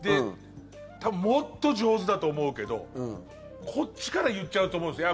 多分もっと上手だと思うけどこっちから言っちゃうと思うんですね。